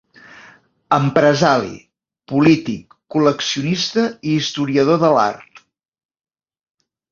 Empresari, polític, col·leccionista i historiador de l'art.